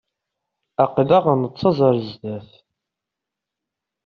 Aql-aɣ nettaẓ ar zdat.